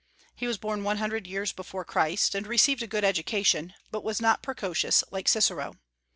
He was born one hundred years before Christ, and received a good education, but was not precocious, like Cicero.